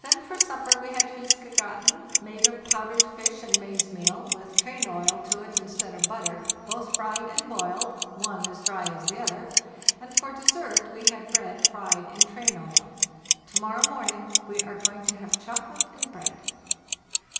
Then for supper we had ' fiskegratin,' made of powdered fish and maize meal, with train oil to it instead of butter, both fried and boiled (one as dry as the other), and for dessert we had bread fried in train oil. To morrow morning we are going to have chocolate and bread."